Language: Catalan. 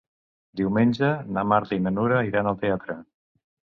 Diumenge na Marta i na Nura iran al teatre.